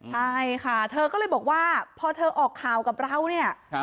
ใช่ค่ะเธอก็เลยบอกว่าพอเธอออกข่าวกับเราเนี่ย